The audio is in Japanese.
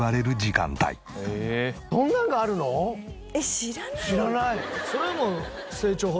知らない。